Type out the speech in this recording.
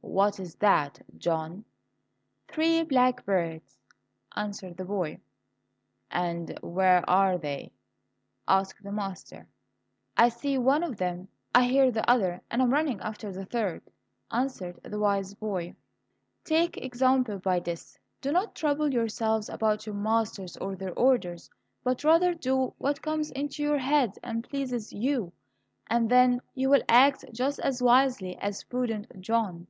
"What is that, John?" "Three blackbirds," answered the boy. "And where are they?" asked the master. "I see one of them, I hear the other, and I am running after the third," answered the wise boy. Take example by this, do not trouble yourselves about your masters or their orders, but rather do what comes into your head and pleases you, and then you will act just as wisely as prudent John.